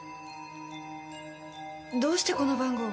どうしてこの番号を？